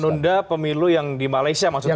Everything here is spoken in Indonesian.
menunda pemilu yang di malaysia maksudnya